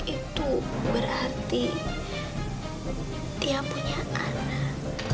itu berarti dia punya anak